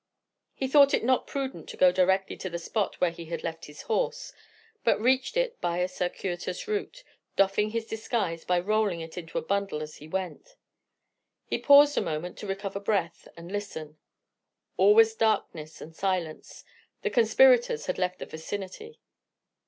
He thought it not prudent to go directly to the spot where he had left his horse, but reached it by a circuitous route, doffing his disguise and rolling it into a bundle again as he went. He paused a moment to recover breath and listen. All was darkness and silence; the conspirators had left the vicinity.